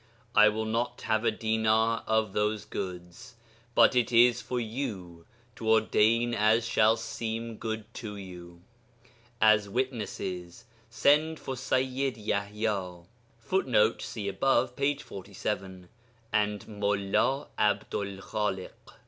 I will not have a dinar of those goods, but it is for you to ordain as shall seem good to you.... [As witnesses] send for Sayyid Yaḥya [Footnote: See above, p. 47.] and Mullā Abdu'l Khalik....